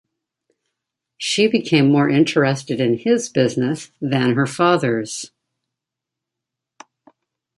She became more interested in his business than her father's.